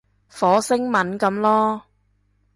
火星文噉囉